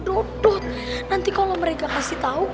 dodot nanti kalau mereka kasih tau